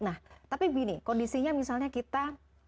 nah tapi gini kondisinya misalnya kita